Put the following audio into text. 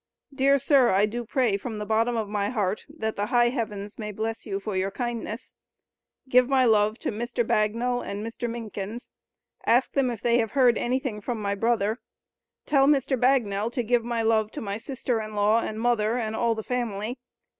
Dear sir I do pray from the bottom of my heart, that the high heavens may bless you for your kindness; give my love to Mr. Bagnel and Mr. Minkins, ask them if they have heard anything from my brother, tell Mr. Bagnel to give my love to my sister in law and mother and all the family.